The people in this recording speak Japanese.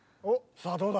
さあどうだ？